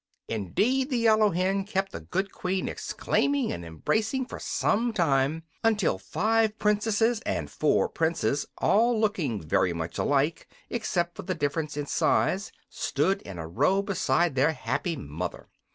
Indeed, the yellow hen kept the good Queen exclaiming and embracing for some time, until five Princesses and four Princes, all looking very much alike except for the difference in size, stood in a row beside their happy mother.